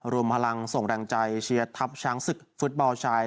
รวมพลังส่งแรงใจเชียร์ทัพช้างศึกฟุตบอลชาย